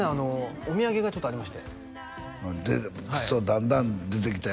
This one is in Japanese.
お土産がちょっとありまして出ただんだん出てきたよ